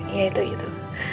iya itu itu